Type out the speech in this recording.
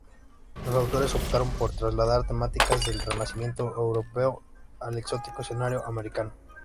Los autores optaron por trasladar temáticas del Renacimiento europeo al exótico escenario americano.